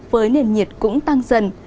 với nền nhiệt cũng tăng dần